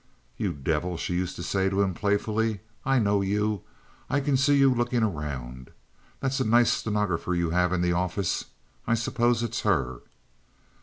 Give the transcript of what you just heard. "You devil," she used to say to him, playfully. "I know you. I can see you looking around. That's a nice stenographer you have in the office. I suppose it's her."